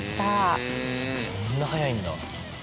こんな速いんだ。